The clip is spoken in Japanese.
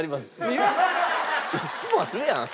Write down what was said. いっつもあるやん！